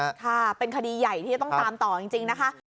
ค่ะเป็นคดีใหญ่ที่จะต้องตามต่อจริงนะคะ